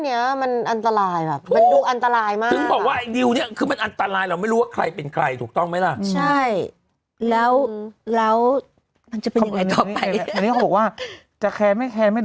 อย่างนั้นก็ทำให้ความจริงด้านมืดได้เปิดเผยค่ะ